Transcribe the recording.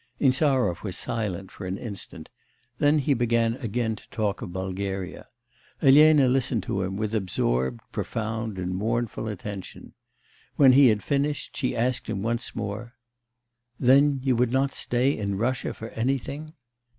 Insarov was silent for an instant; then he began again to talk of Bulgaria. Elena listened to him with absorbed, profound, and mournful attention. When he had finished, she asked him once more: 'Then you would not stay in Russia for anything?